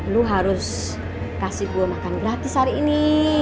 lu harus kasih gue makan gratis hari ini